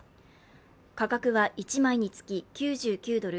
価格は１枚につき９９ドル